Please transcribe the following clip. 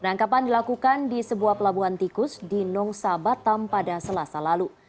penangkapan dilakukan di sebuah pelabuhan tikus di nongsa batam pada selasa lalu